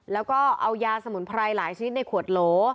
แล้วก็เอายาสมุนไพรหลายชนิดในขวดโหล